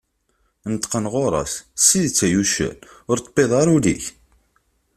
Neṭṭqen γur-s: S tidett ay uccen, ur d-tewwiḍ ara ul-ik?